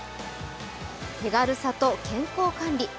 手軽さと健康管理。